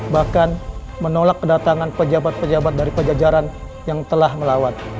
bahkan menolak kedatangan pejabat pejabat dari pejajaran yang telah melawan